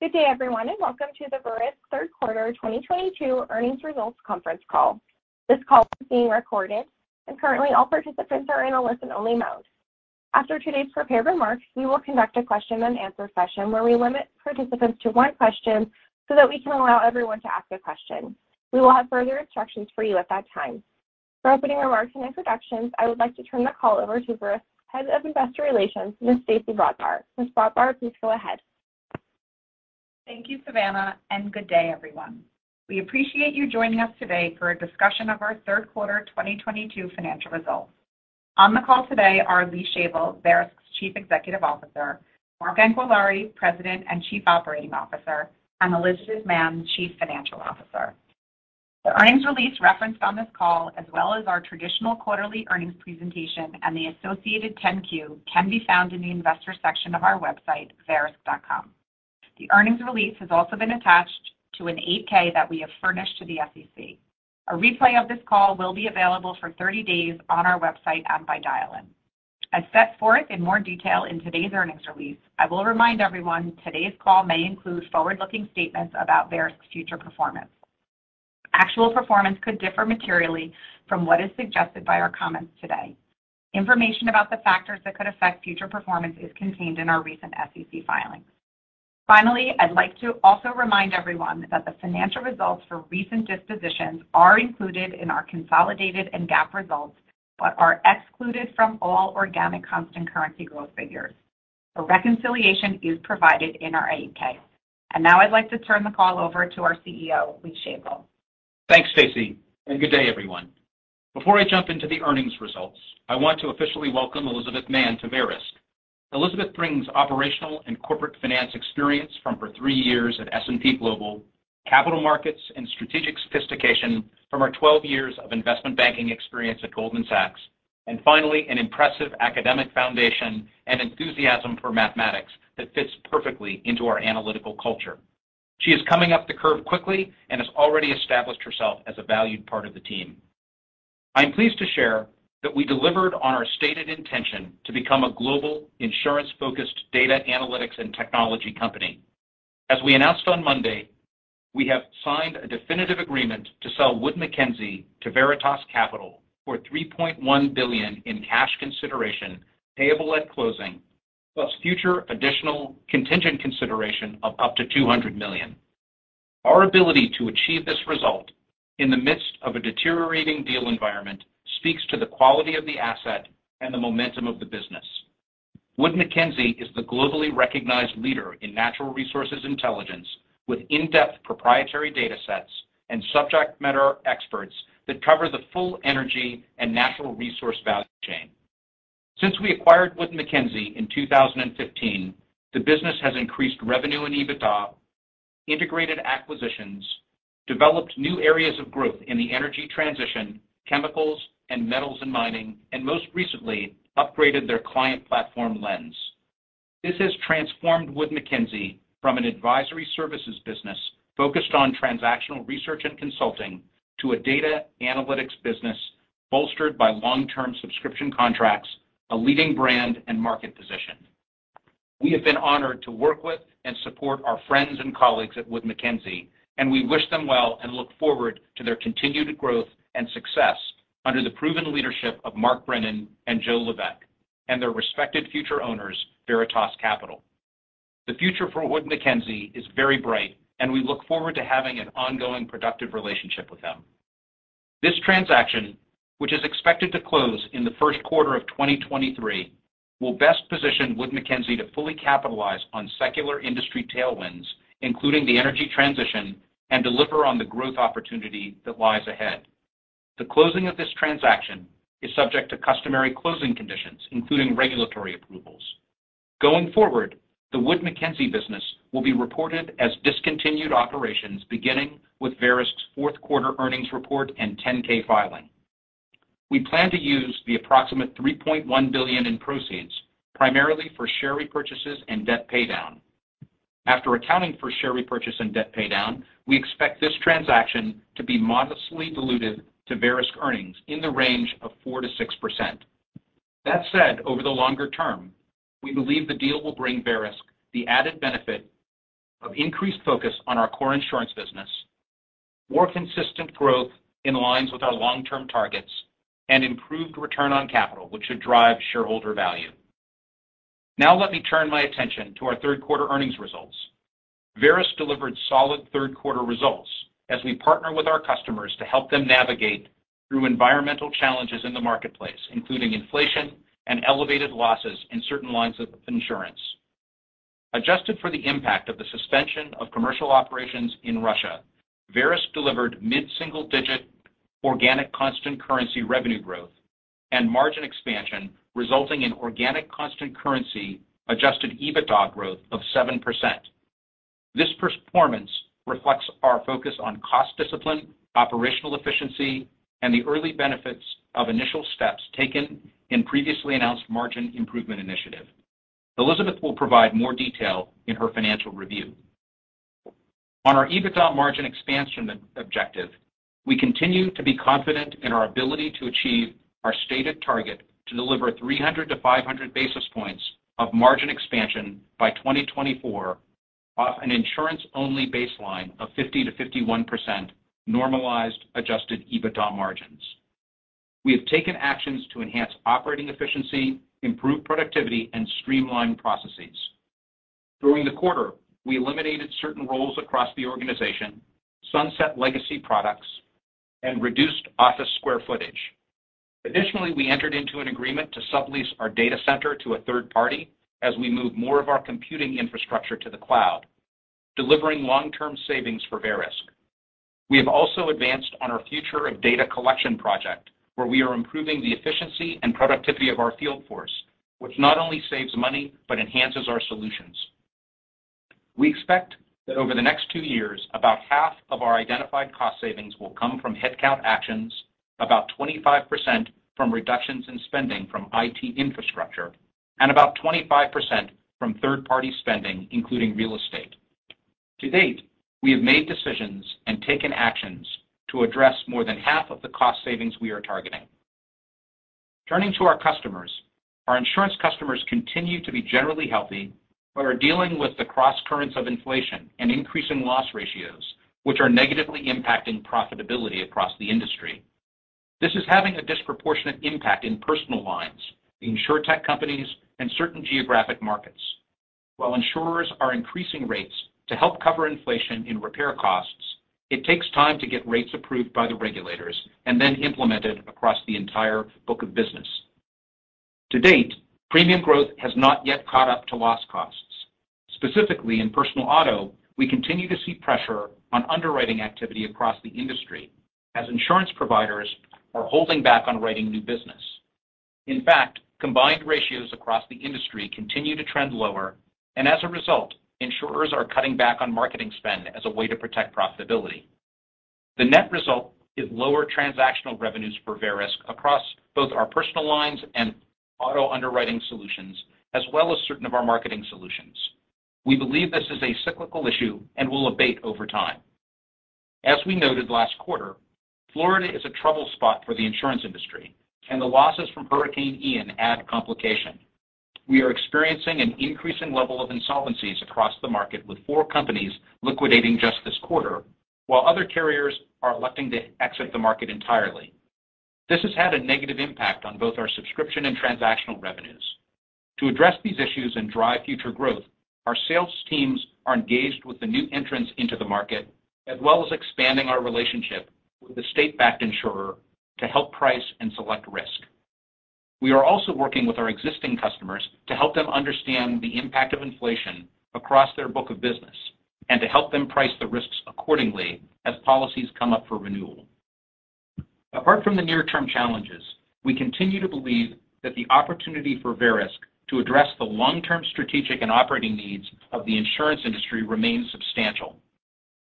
Good day, everyone, and welcome to the Verisk Q3 2022 earnings results conference call. This call is being recorded and currently all participants are in a listen-only mode. After today's prepared remarks, we will conduct a question and answer session where we limit participants to one question so that we can allow everyone to ask a question. We will have further instructions for you at that time. For opening remarks and introductions, I would like to turn the call over to Verisk Head of Investor Relations, Ms. Stacey Brodbar. Ms. Brodbar, please go ahead. Thank you, Savannah, and good day, everyone. We appreciate you joining us today for a discussion of our Q3 2022 financial results. On the call today are Lee Shavel, Verisk's Chief Executive Officer, Mark Anquillare, President and Chief Operating Officer, and Elizabeth Mann, Chief Financial Officer. The earnings release referenced on this call, as well as our traditional quarterly earnings presentation and the associated 10-Q can be found in the investor section of our website, verisk.com. The earnings release has also been attached to an 8-K that we have furnished to the SEC. A replay of this call will be available for 30 days on our website and by dial-in. As set forth in more detail in today's earnings release, I will remind everyone today's call may include forward-looking statements about Verisk's future performance. Actual performance could differ materially from what is suggested by our comments today. Information about the factors that could affect future performance is contained in our recent SEC filings. Finally, I'd like to also remind everyone that the financial results for recent dispositions are included in our consolidated and GAAP results, but are excluded from all organic constant currency growth figures. A reconciliation is provided in our 8-K. Now I'd like to turn the call over to our CEO, Lee Shavel. Thanks, Stacey, and good day, everyone. Before I jump into the earnings results, I want to officially welcome Elizabeth Mann to Verisk. Elizabeth brings operational and corporate finance experience from her three years at S&P Global, capital markets and strategic sophistication from her twelve years of investment banking experience at Goldman Sachs, and finally, an impressive academic foundation and enthusiasm for mathematics that fits perfectly into our analytical culture. She is coming up the curve quickly and has already established herself as a valued part of the team. I am pleased to share that we delivered on our stated intention to become a global insurance-focused data analytics and technology company. As we announced on Monday, we have signed a definitive agreement to sell Wood Mackenzie to Veritas Capital for $3.1 billion in cash consideration payable at closing, plus future additional contingent consideration of up to $200 million. Our ability to achieve this result in the midst of a deteriorating deal environment speaks to the quality of the asset and the momentum of the business. Wood Mackenzie is the globally recognized leader in natural resources intelligence with in-depth proprietary datasets and subject matter experts that cover the full energy and natural resource value chain. Since we acquired Wood Mackenzie in 2015, the business has increased revenue and EBITDA, integrated acquisitions, developed new areas of growth in the energy transition, chemicals and metals and mining, and most recently upgraded their client platform Lens. This has transformed Wood Mackenzie from an advisory services business focused on transactional research and consulting to a data analytics business bolstered by long-term subscription contracts, a leading brand and market position. We have been honored to work with and support our friends and colleagues at Wood Mackenzie, and we wish them well and look forward to their continued growth and success under the proven leadership of Mark Sheridan and Joe Levesque and their respected future owners, Veritas Capital. The future for Wood Mackenzie is very bright and we look forward to having an ongoing productive relationship with them. This transaction, which is expected to close in the Q1 of 2023, will best position Wood Mackenzie to fully capitalize on secular industry tailwinds, including the energy transition and deliver on the growth opportunity that lies ahead. The closing of this transaction is subject to customary closing conditions, including regulatory approvals. Going forward, the Wood Mackenzie business will be reported as discontinued operations beginning with Verisk's Q4 earnings report and 10-K filing. We plan to use the approximate $3.1 billion in proceeds primarily for share repurchases and debt paydown. After accounting for share repurchase and debt paydown, we expect this transaction to be modestly diluted to Verisk earnings in the range of 4%-6%. That said, over the longer term, we believe the deal will bring Verisk the added benefit of increased focus on our core insurance business, more consistent growth in line with our long-term targets and improved return on capital, which should drive shareholder value. Now let me turn my attention to our Q3 earnings results. Verisk delivered solid Q3 results as we partner with our customers to help them navigate through environmental challenges in the marketplace, including inflation and elevated losses in certain lines of insurance. Adjusted for the impact of the suspension of commercial operations in Russia, Verisk delivered mid-single digit organic constant currency revenue growth and margin expansion, resulting in organic constant currency adjusted EBITDA growth of 7%. This performance reflects our focus on cost discipline, operational efficiency, and the early benefits of initial steps taken in previously announced margin improvement initiative. Elizabeth will provide more detail in her financial review. On our EBITDA margin expansion objective, we continue to be confident in our ability to achieve our stated target to deliver 300-500 basis points of margin expansion by 2024 off an insurance-only baseline of 50%-51% normalized adjusted EBITDA margins. We have taken actions to enhance operating efficiency, improve productivity, and streamline processes. During the quarter, we eliminated certain roles across the organization, sunset legacy products, and reduced office square footage. Additionally, we entered into an agreement to sublease our data center to a third party as we move more of our computing infrastructure to the cloud, delivering long-term savings for Verisk. We have also advanced on our future of data collection project, where we are improving the efficiency and productivity of our field force, which not only saves money but enhances our solutions. We expect that over the next two years, about half of our identified cost savings will come from headcount actions, about 25% from reductions in spending from IT infrastructure, and about 25% from third-party spending, including real estate. To date, we have made decisions and taken actions to address more than half of the cost savings we are targeting. Turning to our customers, our insurance customers continue to be generally healthy but are dealing with the crosscurrents of inflation and increasing loss ratios, which are negatively impacting profitability across the industry. This is having a disproportionate impact in personal lines, in Insurtech companies and certain geographic markets. While insurers are increasing rates to help cover inflation in repair costs, it takes time to get rates approved by the regulators and then implemented across the entire book of business. To date, premium growth has not yet caught up to loss costs. Specifically, in personal auto, we continue to see pressure on underwriting activity across the industry as insurance providers are holding back on writing new business. In fact, combined ratios across the industry continue to trend lower, and as a result, insurers are cutting back on marketing spend as a way to protect profitability. The net result is lower transactional revenues for Verisk across both our personal lines and auto underwriting solutions, as well as certain of our marketing solutions. We believe this is a cyclical issue and will abate over time. As we noted last quarter, Florida is a trouble spot for the insurance industry and the losses from Hurricane Ian add complication. We are experiencing an increasing level of insolvencies across the market, with 4 companies liquidating just this quarter, while other carriers are electing to exit the market entirely. This has had a negative impact on both our subscription and transactional revenues. To address these issues and drive future growth, our sales teams are engaged with the new entrants into the market, as well as expanding our relationship with the state-backed insurer to help price and select risk. We are also working with our existing customers to help them understand the impact of inflation across their book of business and to help them price the risks accordingly as policies come up for renewal. Apart from the near-term challenges, we continue to believe that the opportunity for Verisk to address the long-term strategic and operating needs of the insurance industry remains substantial.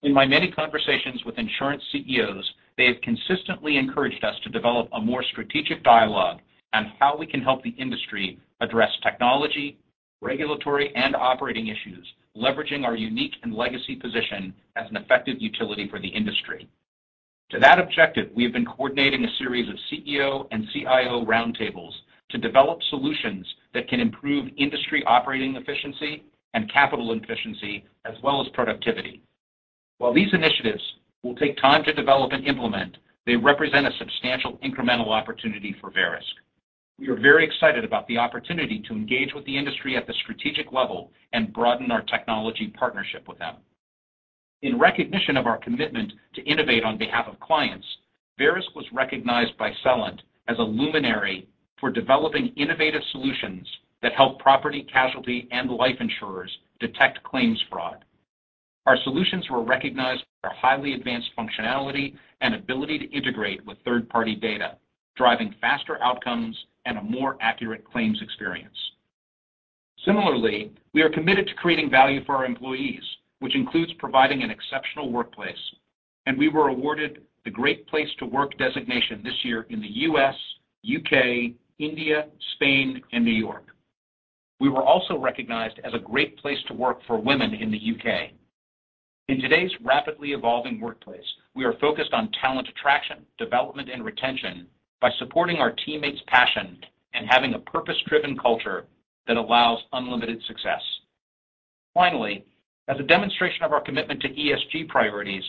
In my many conversations with insurance CEOs, they have consistently encouraged us to develop a more strategic dialogue on how we can help the industry address technology, regulatory, and operating issues, leveraging our unique and legacy position as an effective utility for the industry. To that objective, we have been coordinating a series of CEO and CIO roundtables to develop solutions that can improve industry operating efficiency and capital efficiency as well as productivity. While these initiatives will take time to develop and implement, they represent a substantial incremental opportunity for Verisk. We are very excited about the opportunity to engage with the industry at the strategic level and broaden our technology partnership with them. In recognition of our commitment to innovate on behalf of clients, Verisk was recognized by Celent as a luminary for developing innovative solutions that help property, casualty, and life insurers detect claims fraud. Our solutions were recognized for highly advanced functionality and ability to integrate with third-party data, driving faster outcomes and a more accurate claims experience. Similarly, we are committed to creating value for our employees, which includes providing an exceptional workplace, and we were awarded the Great Place to Work designation this year in the U.S., U.K., India, Spain, and New York. We were also recognized as a great place to work for women in the U.K. In today's rapidly evolving workplace, we are focused on talent attraction, development, and retention by supporting our teammates' passion and having a purpose-driven culture that allows unlimited success. Finally, as a demonstration of our commitment to ESG priorities,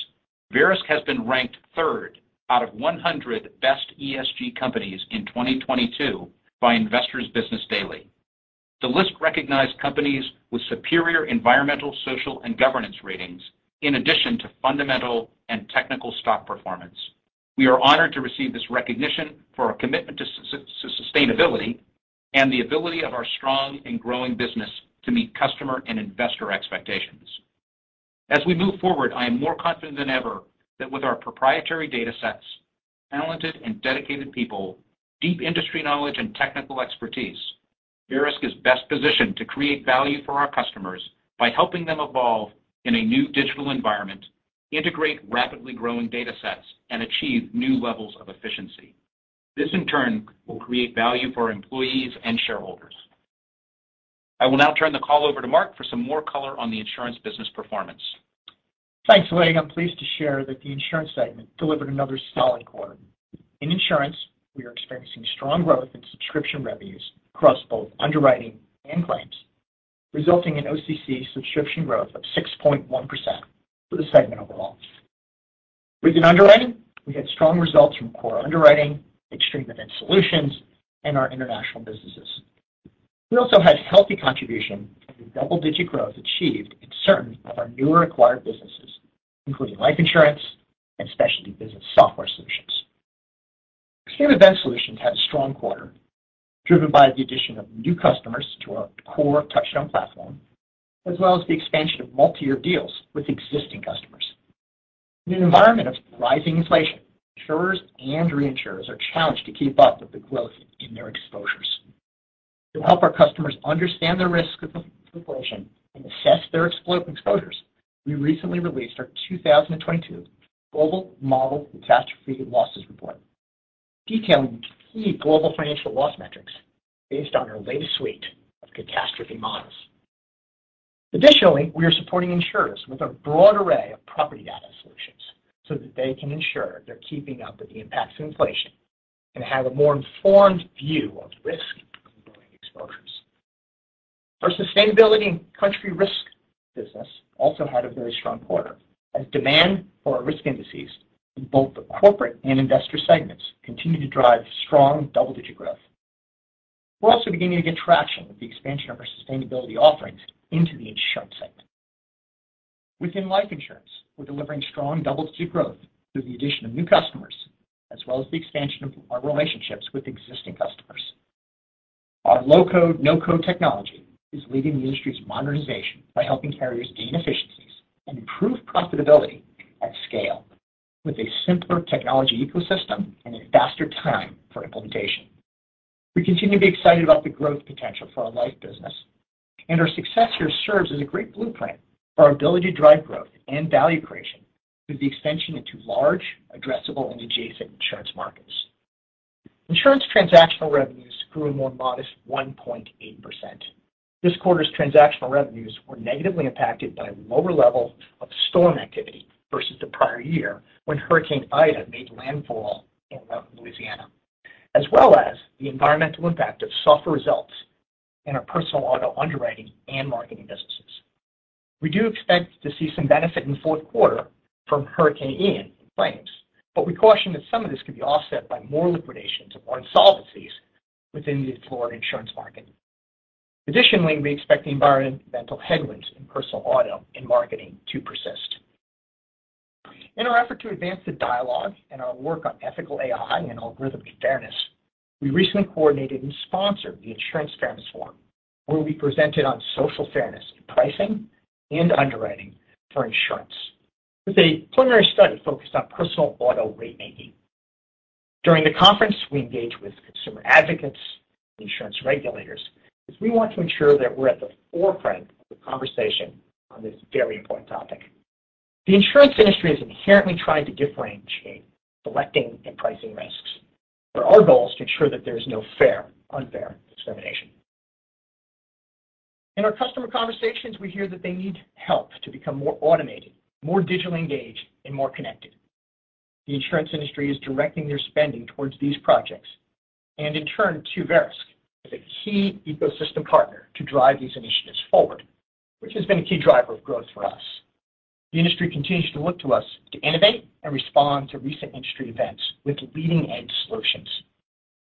Verisk has been ranked third out of 100 best ESG companies in 2022 by Investor's Business Daily. The list recognized companies with superior environmental, social, and governance ratings in addition to fundamental and technical stock performance. We are honored to receive this recognition for our commitment to sustainability and the ability of our strong and growing business to meet customer and investor expectations. As we move forward, I am more confident than ever that with our proprietary data sets, talented and dedicated people, deep industry knowledge, and technical expertise, Verisk is best positioned to create value for our customers by helping them evolve in a new digital environment, integrate rapidly growing data sets, and achieve new levels of efficiency. This, in turn, will create value for employees and shareholders. I will now turn the call over to Mark for some more color on the insurance business performance. Thanks, Lee. I'm pleased to share that the insurance segment delivered another solid quarter. In insurance, we are experiencing strong growth in subscription revenues across both underwriting and claims, resulting in OCC subscription growth of 6.1% for the segment overall. Within underwriting, we had strong results from core underwriting, extreme event solutions, and our international businesses. We also had healthy contribution from the double-digit growth achieved in certain of our newer acquired businesses, including life insurance and specialty business software solutions. Extreme event solutions had a strong quarter, driven by the addition of new customers to our core Touchstone platform, as well as the expansion of multi-year deals with existing customers. In an environment of rising inflation, insurers and reinsurers are challenged to keep up with the growth in their exposures. To help our customers understand the risk of inflation and assess their exposures, we recently released our 2022 Global Modelled Catastrophe Losses Report, detailing key global financial loss metrics based on our latest suite of catastrophe models. Additionally, we are supporting insurers with a broad array of property data solutions so that they can ensure they're keeping up with the impacts of inflation and have a more informed view of risk exposures. Our sustainability and country risk business also had a very strong quarter as demand for our risk indices in both the corporate and investor segments continue to drive strong double-digit growth. We're also beginning to get traction with the expansion of our sustainability offerings into the insurance segment. Within life insurance, we're delivering strong double-digit growth through the addition of new customers, as well as the expansion of our relationships with existing customers. Our low-code, no-code technology is leading the industry's modernization by helping carriers gain efficiencies and improve profitability at scale with a simpler technology ecosystem and a faster time for implementation. We continue to be excited about the growth potential for our life business and our success here serves as a great blueprint for our ability to drive growth and value creation through the expansion into large addressable and adjacent insurance markets. Insurance transactional revenues grew a more modest 1.8%. This quarter's transactional revenues were negatively impacted by lower level of storm activity versus the prior year, when Hurricane Ida made landfall in Louisiana, as well as the environmental impact of softer results in our personal auto underwriting and marketing businesses. We do expect to see some benefit in Q4 from Hurricane Ian claims, but we caution that some of this could be offset by more liquidations of insolvencies within the Florida insurance market. Additionally, we expect the environmental headwinds in personal auto and marketing to persist. In our effort to advance the dialogue and our work on ethical AI and algorithmic fairness, we recently coordinated and sponsored the Insurance Fairness Forum, where we presented on social fairness in pricing and underwriting for insurance. It's a preliminary study focused on personal auto rate making. During the conference, we engaged with consumer advocates and insurance regulators as we want to ensure that we're at the forefront of the conversation on this very important topic. The insurance industry is inherently trying to differentiate selecting and pricing risks, but our goal is to ensure that there is no unfair discrimination. In our customer conversations, we hear that they need help to become more automated, more digitally engaged, and more connected. The insurance industry is directing their spending towards these projects, and in turn to Verisk as a key ecosystem partner to drive these initiatives forward, which has been a key driver of growth for us. The industry continues to look to us to innovate and respond to recent industry events with leading-edge solutions.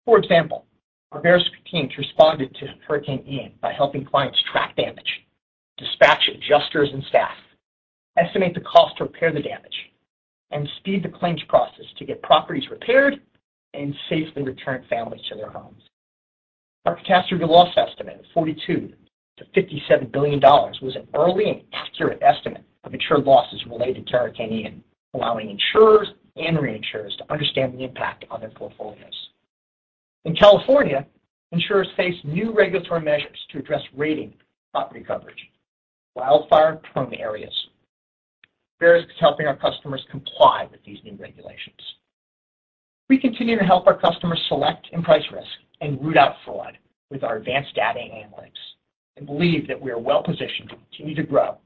For example, our Verisk team responded to Hurricane Ian by helping clients track damage, dispatch adjusters and staff, estimate the cost to repair the damage, and speed the claims process to get properties repaired and safely return families to their homes. Our catastrophe loss estimate of $42 billion-$57 billion was an early and accurate estimate of insured losses related to Hurricane Ian, allowing insurers and reinsurers to understand the impact on their portfolios. In California, insurers face new regulatory measures to address rating property coverage in wildfire-prone areas. Verisk is helping our customers comply with these new regulations. We continue to help our customers select and price risk and root out fraud with our advanced data analytics and believe that we are well positioned to continue to grow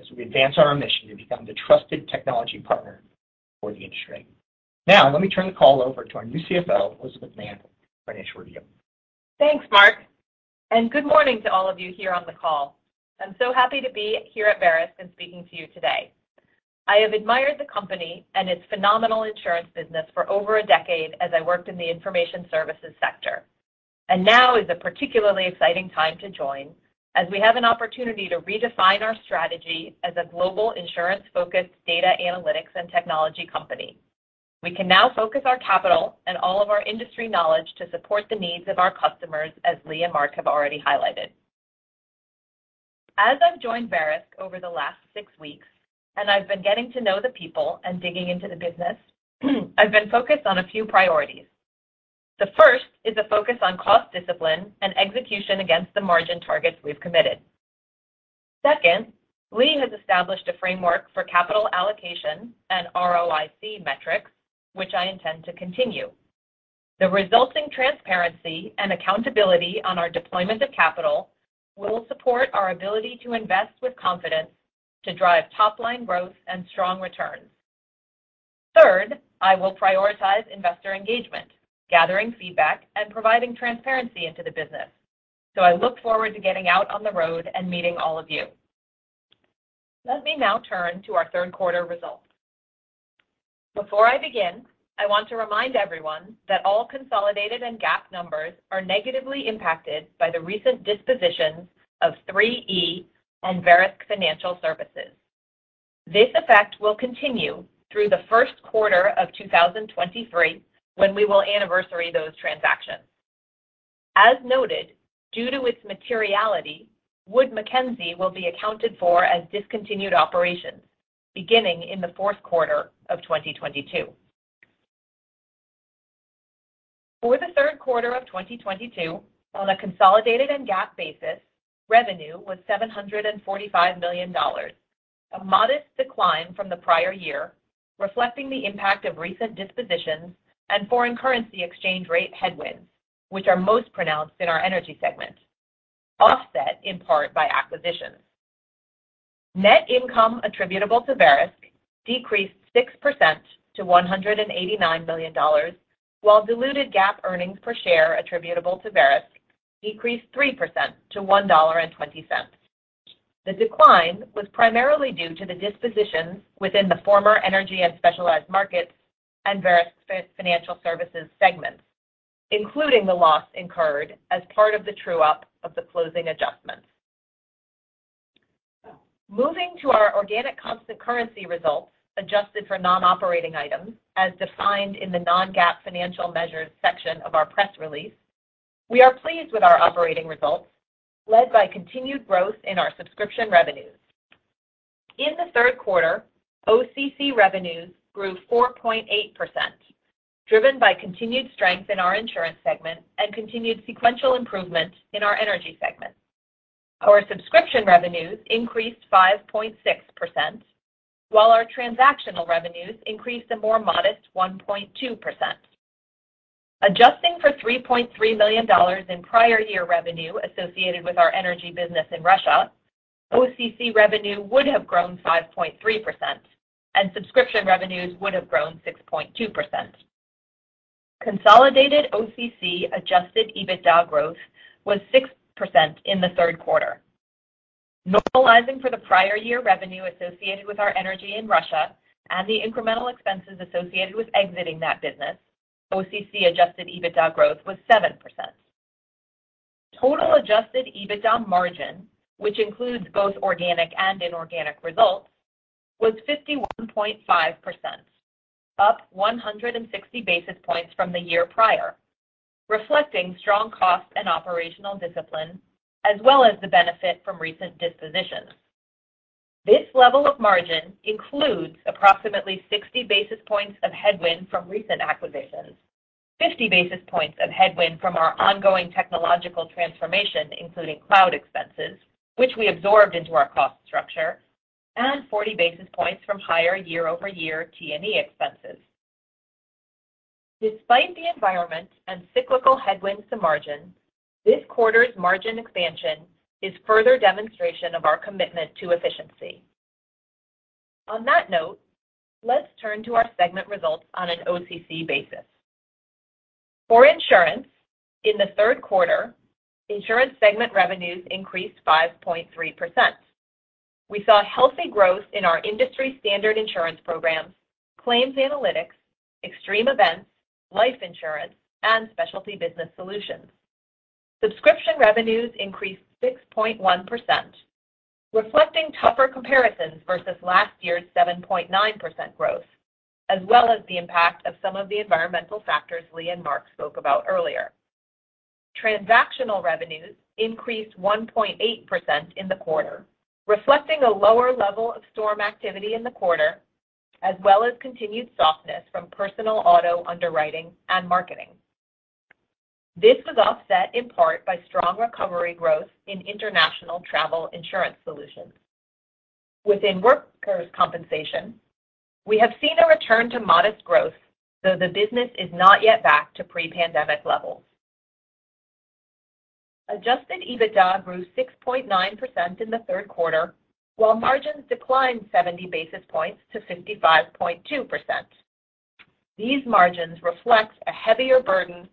as we advance our mission to become the trusted technology partner for the industry. Now, let me turn the call over to our new CFO, Elizabeth Mann, for an intro to you. Thanks, Mark, and good morning to all of you here on the call. I'm so happy to be here at Verisk and speaking to you today. I have admired the company and its phenomenal insurance business for over a decade as I worked in the information services sector. Now is a particularly exciting time to join as we have an opportunity to redefine our strategy as a global insurance-focused data analytics and technology company. We can now focus our capital and all of our industry knowledge to support the needs of our customers, as Lee and Mark have already highlighted. As I've joined Verisk over the last six weeks, and I've been getting to know the people and digging into the business, I've been focused on a few priorities. The first is a focus on cost discipline and execution against the margin targets we've committed. Second, Lee has established a framework for capital allocation and ROIC metrics, which I intend to continue. The resulting transparency and accountability on our deployment of capital will support our ability to invest with confidence to drive top-line growth and strong returns. Third, I will prioritize investor engagement, gathering feedback, and providing transparency into the business. I look forward to getting out on the road and meeting all of you. Let me now turn to our Q3 results. Before I begin, I want to remind everyone that all consolidated and GAAP numbers are negatively impacted by the recent dispositions of 3E and Verisk Financial. This effect will continue through the Q1 of 2023, when we will anniversary those transactions. As noted, due to its materiality, Wood Mackenzie will be accounted for as discontinued operations beginning in the Q4 of 2022. For the Q3 of 2022, on a consolidated and GAAP basis, revenue was $745 million, a modest decline from the prior year, reflecting the impact of recent dispositions and foreign currency exchange rate headwinds, which are most pronounced in our energy segment, offset in part by acquisitions. Net income attributable to Verisk decreased 6% to $189 million, while diluted GAAP earnings per share attributable to Verisk decreased 3% to $1.20. The decline was primarily due to the dispositions within the former Energy and Specialized Markets and Verisk Financial Services segments, including the loss incurred as part of the true up of the closing adjustments. Moving to our organic constant currency results adjusted for non-operating items as defined in the non-GAAP financial measures section of our press release, we are pleased with our operating results led by continued growth in our subscription revenues. In the Q3, OCC revenues grew 4.8%, driven by continued strength in our insurance segment and continued sequential improvement in our energy segment. Our subscription revenues increased 5.6%, while our transactional revenues increased a more modest 1.2%. Adjusting for $3.3 million in prior year revenue associated with our energy business in Russia, OCC revenue would have grown 5.3%, and subscription revenues would have grown 6.2%. Consolidated OCC adjusted EBITDA growth was 6% in the Q3. Normalizing for the prior year revenue associated with our energy in Russia and the incremental expenses associated with exiting that business, OCC adjusted EBITDA growth was 7%. Total adjusted EBITDA margin, which includes both organic and inorganic results, was 51.5%, up 160 basis points from the year prior, reflecting strong cost and operational discipline as well as the benefit from recent dispositions. This level of margin includes approximately 60 basis points of headwind from recent acquisitions, 50 basis points of headwind from our ongoing technological transformation, including cloud expenses, which we absorbed into our cost structure, and 40 basis points from higher year-over-year T&E expenses. Despite the environment and cyclical headwinds to margin, this quarter's margin expansion is further demonstration of our commitment to efficiency. On that note, let's turn to our segment results on an OCC basis. For insurance, in the Q3, insurance segment revenues increased 5.3%. We saw healthy growth in our industry standard insurance programs, claims analytics, extreme events, life insurance, and specialty business solutions. Subscription revenues increased 6.1%, reflecting tougher comparisons versus last year's 7.9% growth, as well as the impact of some of the environmental factors Lee and Mark spoke about earlier. Transactional revenues increased 1.8% in the quarter, reflecting a lower level of storm activity in the quarter, as well as continued softness from personal auto underwriting and marketing. This was offset in part by strong recovery growth in international travel insurance solutions. Within workers' compensation, we have seen a return to modest growth, though the business is not yet back to pre-pandemic levels. Adjusted EBITDA grew 6.9% in the Q3, while margins declined 70 basis points to 55.2%. These margins reflect a heavier burden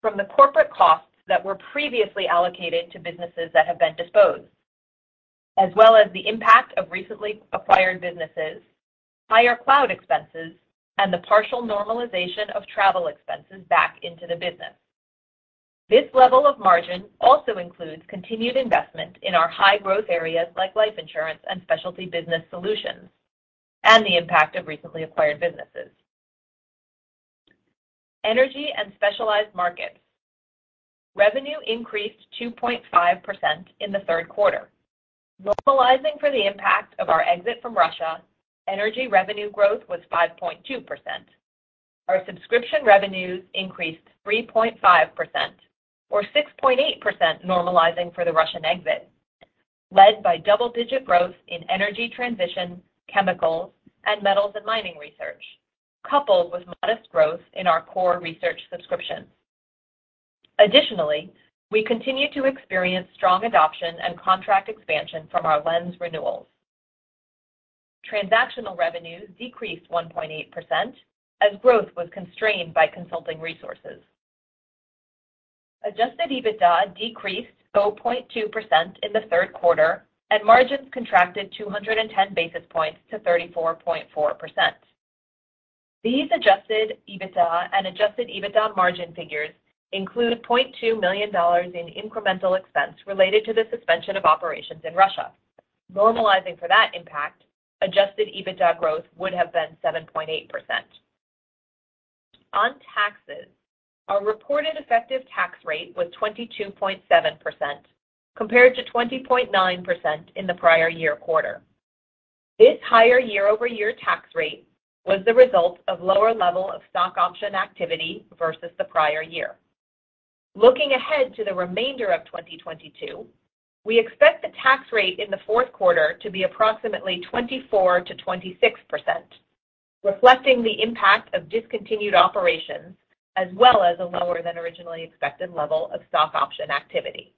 from the corporate costs that were previously allocated to businesses that have been disposed, as well as the impact of recently acquired businesses, higher cloud expenses, and the partial normalization of travel expenses back into the business. This level of margin also includes continued investment in our high-growth areas like life insurance and specialty business solutions and the impact of recently acquired businesses. Energy and specialized markets. Revenue increased 2.5% in the Q3. Normalizing for the impact of our exit from Russia, energy revenue growth was 5.2%. Our subscription revenues increased 3.5% or 6.8% normalizing for the Russian exit, led by double-digit growth in energy transition, chemicals, and metals and mining research, coupled with modest growth in our core research subscriptions. Additionally, we continue to experience strong adoption and contract expansion from our Lens renewals. Transactional revenues decreased 1.8% as growth was constrained by consulting resources. Adjusted EBITDA decreased 0.2% in the Q3 and margins contracted 210 basis points to 34.4%. These adjusted EBITDA and adjusted EBITDA margin figures include $0.2 million in incremental expense related to the suspension of operations in Russia. Normalizing for that impact, adjusted EBITDA growth would have been 7.8%. On taxes, our reported effective tax rate was 22.7% compared to 20.9% in the prior year quarter. This higher year-over-year tax rate was the result of lower level of stock option activity versus the prior year. Looking ahead to the remainder of 2022, we expect the tax rate in the Q4 to be approximately 24%-26%, reflecting the impact of discontinued operations as well as a lower than originally expected level of stock option activity.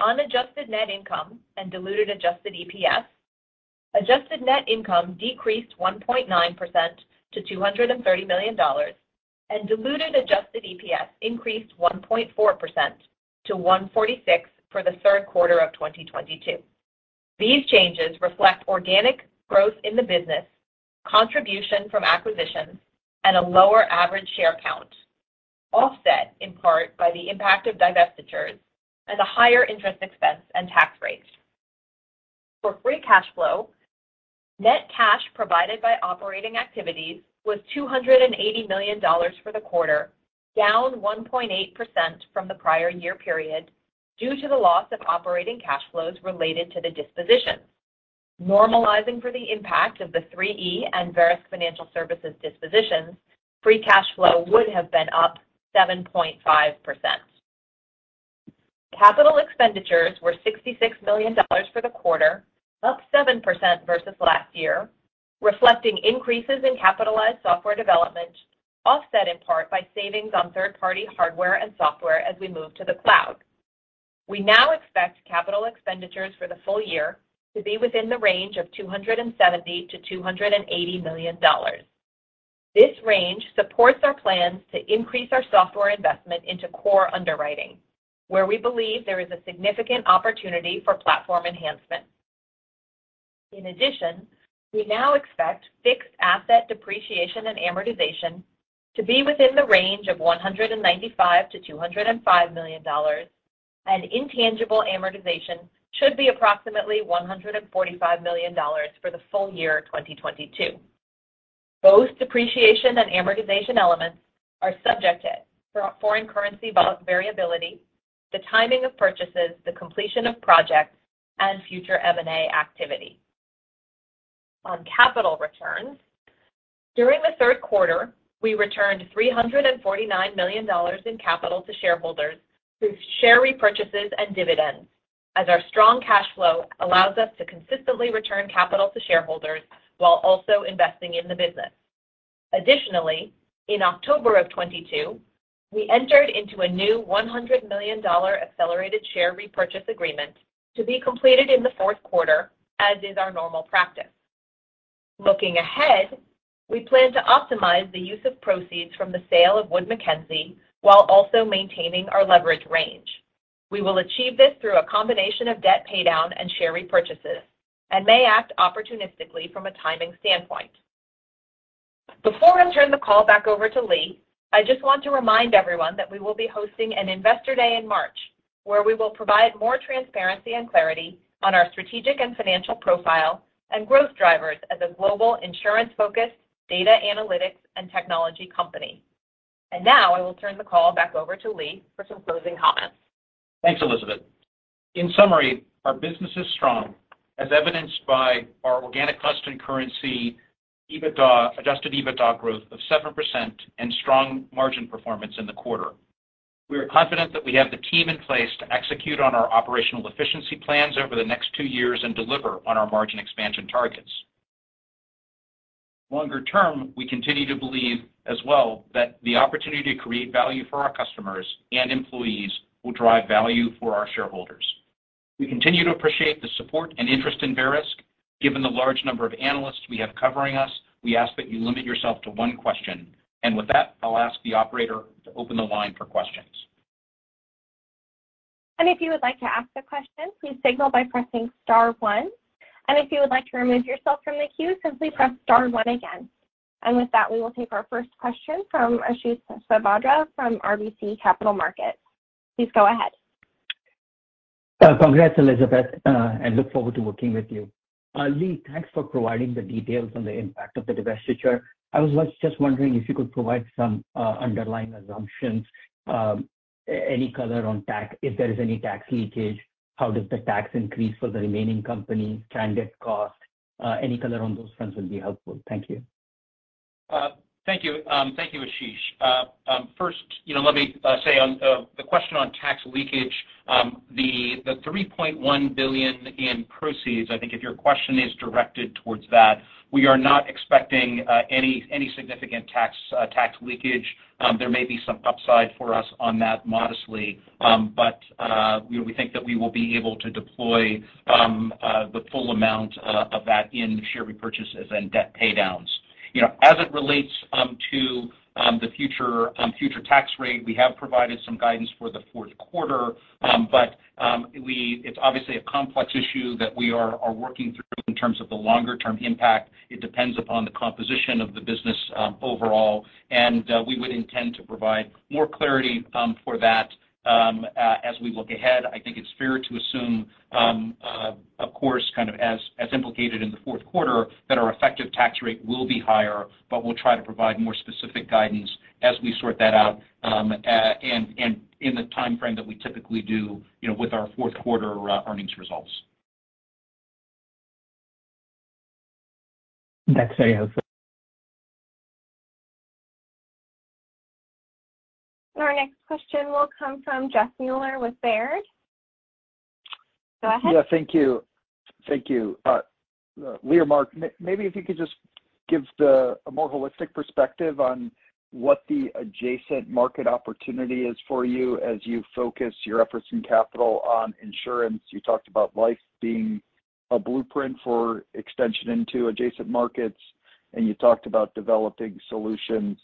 On adjusted net income and diluted adjusted EPS, adjusted net income decreased 1.9% to $230 million and diluted adjusted EPS increased 1.4% to $1.46 for the Q3 of 2022. These changes reflect organic growth in the business, contribution from acquisitions, and a lower average share count, offset in part by the impact of divestitures and a higher interest expense and tax rate. For free cash flow, net cash provided by operating activities was $280 million for the quarter, down 1.8% from the prior year period due to the loss of operating cash flows related to the dispositions. Normalizing for the impact of the 3E and Verisk Financial dispositions, free cash flow would have been up 7.5%. Capital expenditures were $66 million for the quarter, up 7% versus last year, reflecting increases in capitalized software development, offset in part by savings on third-party hardware and software as we move to the cloud. We now expect capital expenditures for the full year to be within the range of $270 million-$280 million. This range supports our plans to increase our software investment into core underwriting, where we believe there is a significant opportunity for platform enhancement. In addition, we now expect fixed asset depreciation and amortization to be within the range of $195 million-$205 million, and intangible amortization should be approximately $145 million for the full year of 2022. Both depreciation and amortization elements are subject to foreign currency variability, the timing of purchases, the completion of projects, and future M&A activity. On capital returns, during the Q3, we returned $349 million in capital to shareholders through share repurchases and dividends, as our strong cash flow allows us to consistently return capital to shareholders while also investing in the business. Additionally, in October 2022, we entered into a new $100 million accelerated share repurchase agreement to be completed in the Q4, as is our normal practice. Looking ahead, we plan to optimize the use of proceeds from the sale of Wood Mackenzie while also maintaining our leverage range. We will achieve this through a combination of debt paydown and share repurchases, and may act opportunistically from a timing standpoint. Before I turn the call back over to Lee, I just want to remind everyone that we will be hosting an Investor Day in March, where we will provide more transparency and clarity on our strategic and financial profile and growth drivers as a global insurance-focused data analytics and technology company. Now I will turn the call back over to Lee for some closing comments. Thanks, Elizabeth. In summary, our business is strong, as evidenced by our organic constant currency EBITDA, adjusted EBITDA growth of 7% and strong margin performance in the quarter. We are confident that we have the team in place to execute on our operational efficiency plans over the next two years and deliver on our margin expansion targets. Longer term, we continue to believe as well that the opportunity to create value for our customers and employees will drive value for our shareholders. We continue to appreciate the support and interest in Verisk. Given the large number of analysts we have covering us, we ask that you limit yourself to one question. With that, I'll ask the operator to open the line for questions. If you would like to ask a question, please signal by pressing star one. If you would like to remove yourself from the queue, simply press star one again. With that, we will take our first question from Ashish Sabadra from RBC Capital Markets. Please go ahead. Congrats, Elizabeth, and look forward to working with you. Lee, thanks for providing the details on the impact of the divestiture. I was just wondering if you could provide some underlying assumptions, any color on tax, if there is any tax leakage. How does the tax increase for the remaining company trend at cost? Any color on those fronts will be helpful. Thank you. Thank you. Thank you, Ashish. First, let me say on the question on tax leakage, the $3.1 billion in proceeds, I think if your question is directed towards that, we are not expecting any significant tax leakage. There may be some upside for us on that modestly. You know, we think that we will be able to deploy the full amount of that in share repurchases and debt paydowns. As it relates to the future tax rate, we have provided some guidance for the Q4. It's obviously a complex issue that we are working through in terms of the longer-term impact. It depends upon the composition of the business, overall, and we would intend to provide more clarity for that as we look ahead. I think it's fair to assume, of course, kind of as implicated in the Q4, that our effective tax rate will be higher, but we'll try to provide more specific guidance as we sort that out, and in the timeframe that we typically do, you know, with our Q4 earnings results. That's very helpful. Our next question will come from Jeff Meuler with Baird. Go ahead. Thank you. Thank you. Lee, Mark, maybe if you could just give a more holistic perspective on what the adjacent market opportunity is for you as you focus your efforts and capital on insurance. You talked about life being a blueprint for extension into adjacent markets, and you talked about developing solutions,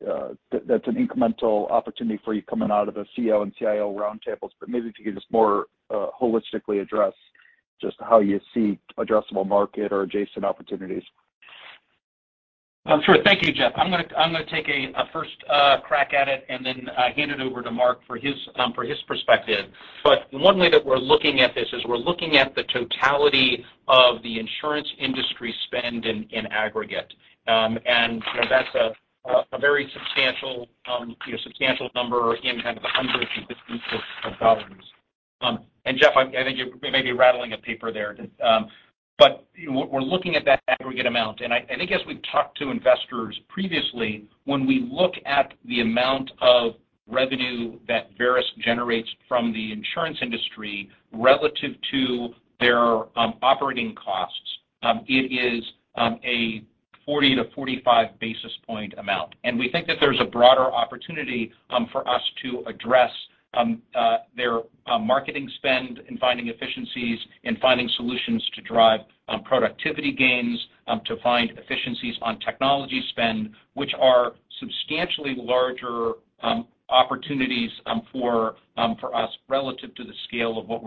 that's an incremental opportunity for you coming out of the CFO and CIO roundtables. Maybe if you could just more holistically address just how you see addressable market or adjacent opportunities. Thank you, Jeff. I'm gonna take a first crack at it and then hand it over to Mark for his perspective. One way that we're looking at this is we're looking at the totality of the insurance industry spend in aggregate. That's a very substantial, you know, substantial number in kind of the hundreds of billions. Jeff, I think you may be rattling a paper there. You know, we're looking at that aggregate amount. I guess we've talked to investors previously, when we look at the amount of revenue that Verisk generates from the insurance industry relative to their operating costs, it is a 40-45 basis point amount. We think that there's a broader opportunity for us to address their marketing spend and finding efficiencies and finding solutions to drive productivity gains to find efficiencies on technology spend, which are substantially larger opportunities for us relative to the scale of what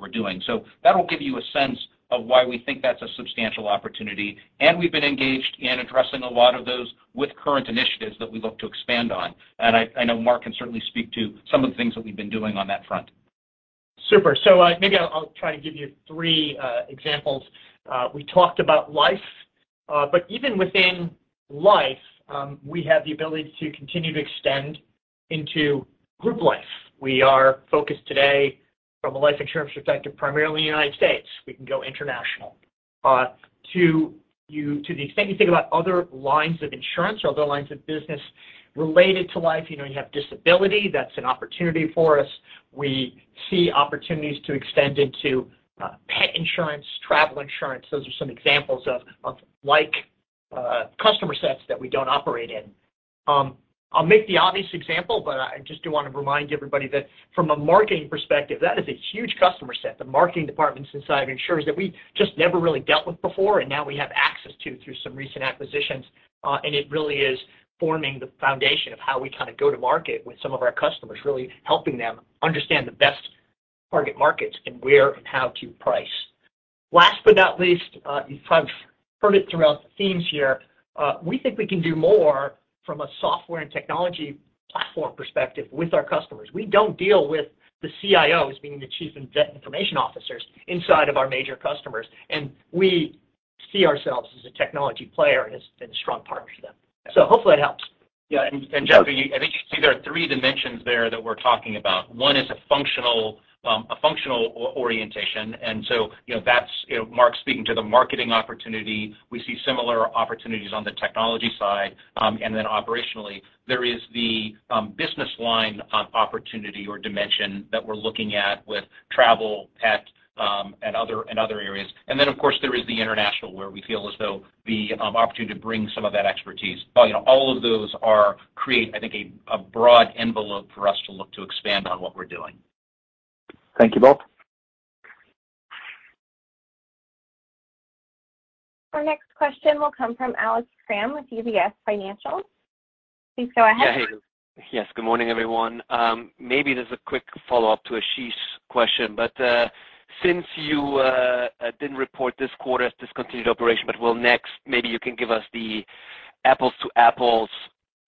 we're doing. That'll give you a sense of why we think that's a substantial opportunity, and we've been engaged in addressing a lot of those with current initiatives that we look to expand on. I know Mark can certainly speak to some of the things that we've been doing on that front. Maybe I'll try to give you three examples. We talked about life, but even within life, we have the ability to continue to extend into group life. We are focused today from a life insurance perspective, primarily United States. We can go international. To you, to the extent you think about other lines of insurance or other lines of business related to life, you know, you have disability, that's an opportunity for us. We see opportunities to extend into pet insurance, travel insurance. Those are some examples of like customer sets that we don't operate in. I'll make the obvious example, but I just do want to remind everybody that from a marketing perspective, that is a huge customer set, the marketing departments inside insurers that we just never really dealt with before and now we have access to through some recent acquisitions. It really is forming the foundation of how we kind of go to market with some of our customers, really helping them understand the best target markets and where and how to price. Last but not least, you've kind of heard it throughout the themes here, we think we can do more from a software and technology platform perspective with our customers. We don't deal with the CIOs, meaning the chief information officers, inside of our major customers, and we see ourselves as a technology player and as a strong partner to them. Hopefully that helps. Jeff, I think you see there are three dimensions there that we're talking about. One is a functional orientation, so you know, that's you know, Mark speaking to the marketing opportunity. We see similar opportunities on the technology side. Operationally, there is the business line opportunity or dimension that we're looking at with travel, pet, and other areas. Of course, there is the international, where we feel as though the opportunity to bring some of that expertise. All of those create, I think a broad envelope for us to look to expand on what we're doing. Thank you both. Our next question will come from Alex Kramm with UBS. Please go ahead. Good morning, everyone. Maybe just a quick follow-up to Ashish Sabadra's question. Since you didn't report this quarter's discontinued operation, but will next, maybe you can give us the apples to apples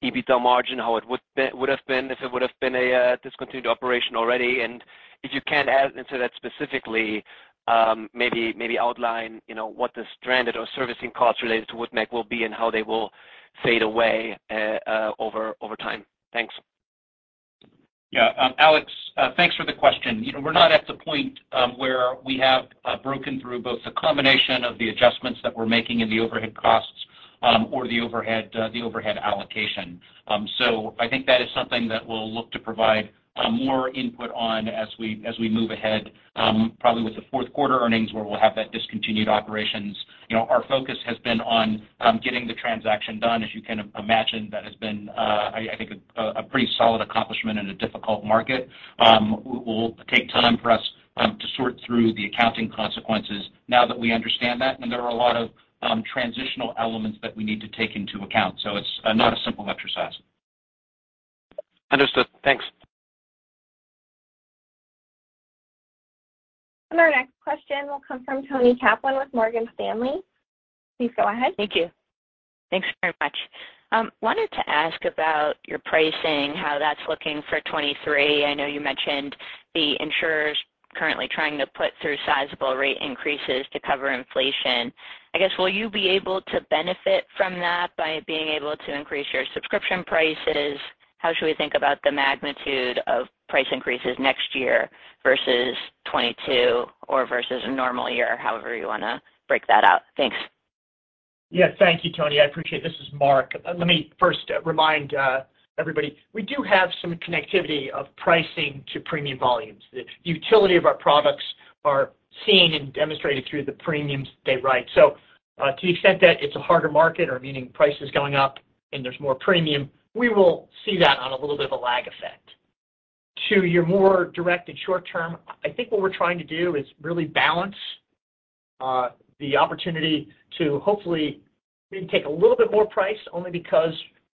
EBITDA margin, how it would have been if it would have been a discontinued operation already. If you can add into that specifically, maybe outline, you know, what the stranded or servicing costs related to Wood Mackenzie will be and how they will fade away over time. Thanks. Alex, thanks for the question. We're not at the point where we have broken through both the combination of the adjustments that we're making in the overhead costs, or the overhead allocation. So I think that is something that we'll look to provide more input on as we move ahead, probably with the Q4 earnings where we'll have that discontinued operations. Our focus has been on getting the transaction done. As you can imagine, that has been, I think a pretty solid accomplishment in a difficult market. It will take time for us to sort through the accounting consequences now that we understand that, and there are a lot of transitional elements that we need to take into account. So it's not a simple exercise. Understood. Thanks. Our next question will come from Toni Kaplan with Morgan Stanley. Please go ahead. Thank you. Thanks very much. Wanted to ask about your pricing, how that's looking for 2023. I know you mentioned the insurers currently trying to put through sizable rate increases to cover inflation. I guess, will you be able to benefit from that by being able to increase your subscription prices? How should we think about the magnitude of price increases next year versus 2022 or versus a normal year? However you want to break that out. Thanks. Thank you, Toni. I appreciate it. This is Mark. Let me first remind everybody, we do have some connectivity of pricing to premium volumes. The utility of our products are seen and demonstrated through the premiums they write. So, to the extent that it's a harder market or meaning prices going up and there's more premium, we will see that on a little bit of a lag effect. To your more direct and short term, I think what we're trying to do is really balance the opportunity to hopefully take a little bit more price only because,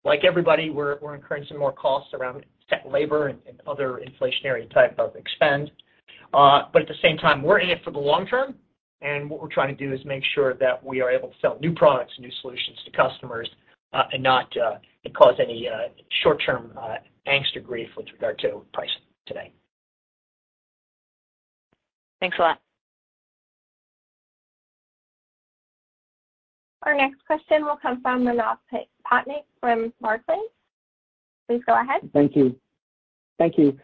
like everybody, we're incurring some more costs around tech, labor, and other inflationary type of expenditures. At the same time, we're in it for the long term, and what we're trying to do is make sure that we are able to sell new products, new solutions to customers, and not cause any short term angst or grief with regard to pricing today. Thanks a lot. Our next question will come from Manav Patnaik from Barclays. Please go ahead. Thank you. Thank you.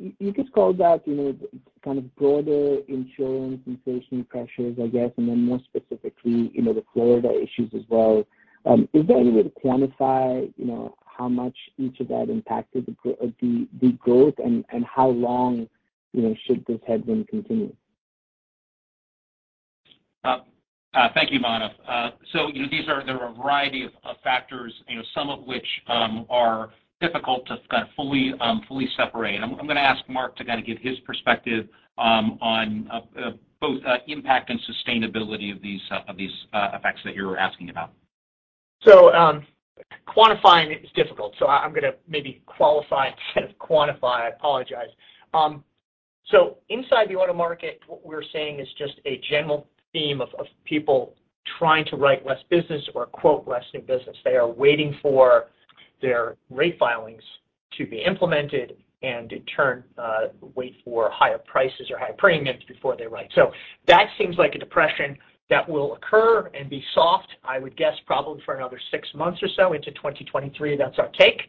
You just called out, you know, kind of broader insurance inflation pressures, I guess, and then more specifically, you know, the Florida issues as well. Is there any way to quantify, you know, how much each of that impacted the growth and how long, you know, should this headroom continue? Thank you, Manav. There are a variety of factors, you know, some of which are difficult to kind of fully separate. I'm going to ask Mark to give his perspective on both impact and sustainability of these effects that you're asking about. Quantifying it is difficult, so I'm going to maybe qualify instead of quantify. I apologize. Inside the auto market, what we're seeing is just a general theme of people trying to write less business or quote less new business. They are waiting for their rate filings to be implemented and in turn, wait for higher prices or higher premiums before they write. That seems like a depression that will occur and be soft, I would guess, probably for another six months or so into 2023. That's our take.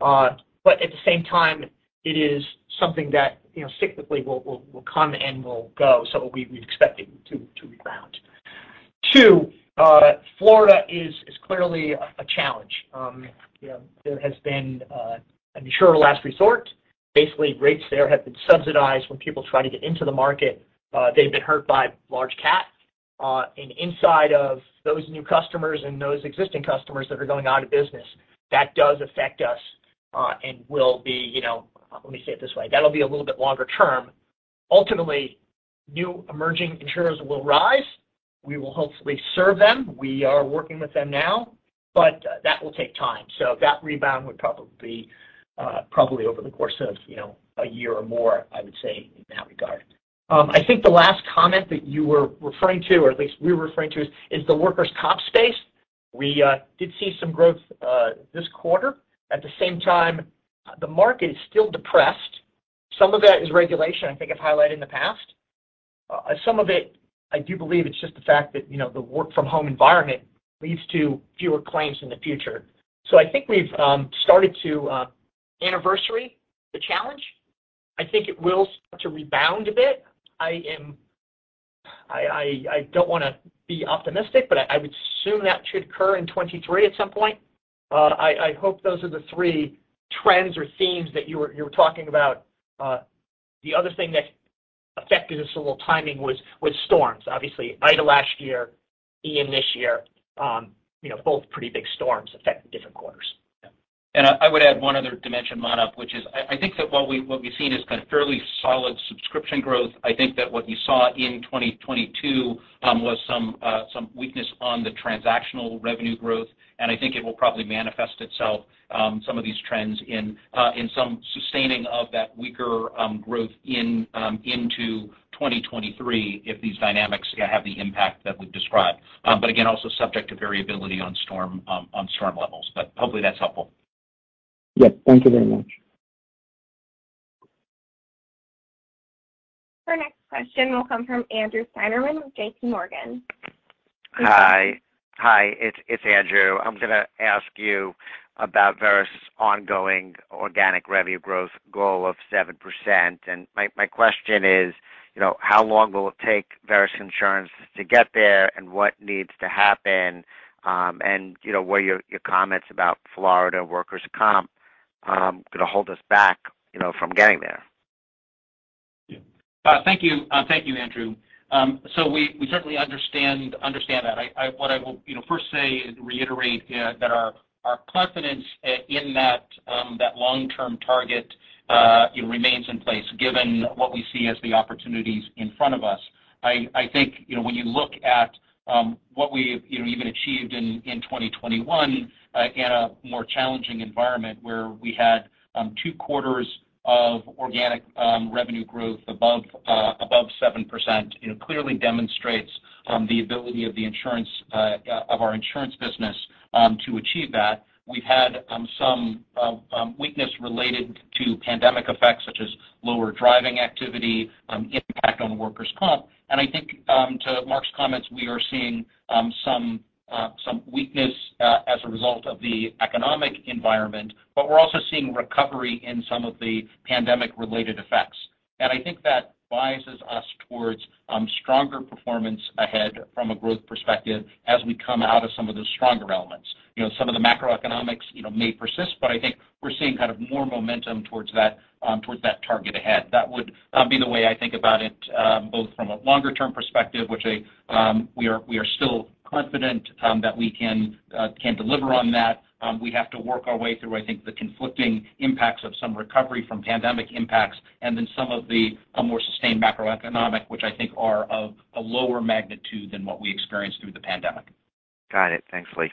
At the same time, it is something that, you know, cyclically will come and will go. We expect it to rebound. Too, Florida is clearly a challenge. There has been an insurer of last resort. Basically, rates there have been subsidized when people try to get into the market. They've been hurt by large cat, and in spite of those new customers and those existing customers that are going out of business, that does affect us, and will be, you know. Let me say it this way, that'll be a little bit longer term. Ultimately, new emerging insurers will rise. We will hopefully serve them. We are working with them now, but that will take time. That rebound would probably be, probably over the course of, you know, a year or more, I would say, in that regard. I think the last comment that you were referring to, or at least we were referring to, is the workers' comp space. We did see some growth this quarter. At the same time, the market is still depressed. Some of that is regulation, I think I've highlighted in the past. Some of it I do believe it's just the fact that, you know, the work from home environment leads to fewer claims in the future. I think we've started to anniversary the challenge. I think it will start to rebound a bit. I don't want to be optimistic, but I would assume that should occur in 2023 at some point. I hope those are the three trends or themes that you were talking about. The other thing that affected us a little timing was storms. Obviously, Ida last year, Ian this year, you know, both pretty big storms affect different quarters. I would add one other dimension, Manav, which is I think that what we've seen is kind of fairly solid subscription growth. I think that what you saw in 2022 was some weakness on the transactional revenue growth, and I think it will probably manifest itself, some of these trends in in some sustaining of that weaker growth into 2023 if these dynamics have the impact that we've described. Again, also subject to variability on storm levels. Hopefully that's helpful. Yes. Thank you very much. Our next question will come from Andrew Steinerman with JPMorgan. Hi, it's Andrew. I'm gonna ask you about Verisk's ongoing organic revenue growth goal of 7%. My question is, you know, how long will it take Verisk Insurance to get there, and what needs to happen? You know, will your comments about Florida workers' comp gonna hold us back, you know, from getting there? Thank you, Andrew. We certainly understand that. What I will, you know, first say and reiterate, that our confidence in that long-term target, you know, remains in place, given what we see as the opportunities in front of us. I think, you know, when you look at what we've, you know, even achieved in 2021, in a more challenging environment where we had 2 quarters of organic revenue growth above 7%, you know, clearly demonstrates the ability of our insurance business to achieve that. We've had some weakness related to pandemic effects, such as lower driving activity, impact on worker's comp. I think, to Mark's comments, we are seeing some weakness as a result of the economic environment, but we're also seeing recovery in some of the pandemic-related effects. I think that biases us towards stronger performance ahead from a growth perspective as we come out of some of the stronger elements. You know, some of the macroeconomics, you know, may persist, but I think we're seeing kind of more momentum towards that target ahead. That would be the way I think about it both from a longer term perspective, which we are still confident that we can deliver on that. We have to work our way through, I think, the conflicting impacts of some recovery from pandemic impacts and then some of the more sustained macroeconomic, which I think are of a lower magnitude than what we experienced through the pandemic. Got it. Thanks, Lee.